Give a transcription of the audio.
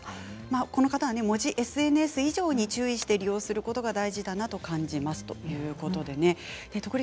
この方は文字ＳＮＳ以上に、注意して利用することが大事だということです。